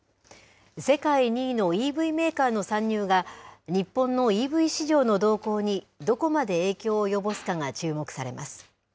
世界２位のＥＶメーカーの参入が、日本のＥＶ市場の動向にどこまで影響を及ぼすかが注目されます。